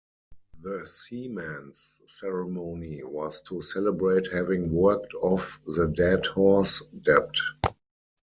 The seaman's ceremony was to celebrate having worked off the "dead horse" debt.